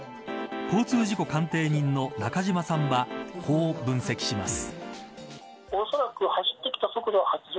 交通事故鑑定人の中島さんはこう分析します。